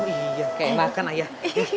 iya kayak makan ayah